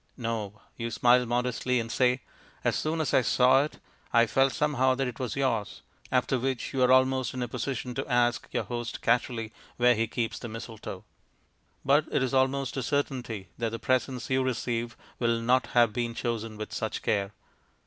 No; you smile modestly and say, "As soon as I saw it, I felt somehow that it was yours"; after which you are almost in a position to ask your host casually where he keeps the mistletoe. But it is almost a certainty that the presents you receive will not have been chosen with such care.